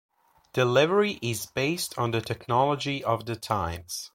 Delivery is based on the technology of the times.